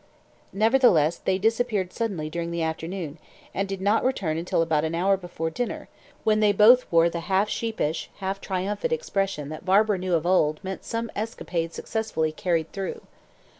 Nevertheless, they disappeared suddenly during the afternoon, and did not return until about an hour before dinner, when they both wore the half sheepish, half triumphant expression that Barbara knew of old meant some escapade successfully carried through.